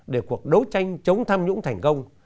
để cuộc đấu tranh chống tham nhũng thành công